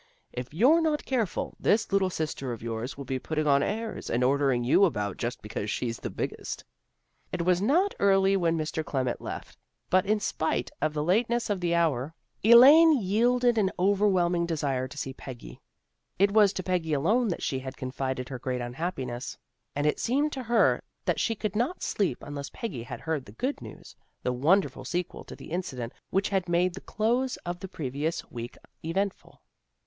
If you're not careful, this little sister of yours will be putting on airs, and ordering you about just because she's the biggest." It was not early when Mr. Clement left, but, in spite of the lateness of the hour, Elaine yielded to an overwhelming desire to see Peggy. It was to Peggy alone that she had confided her great unhappiness, and it seemed to her that she could not sleep unless Peggy had heard the good news, the wonderful sequel to the incident which had made the close of the pre vious week eventful.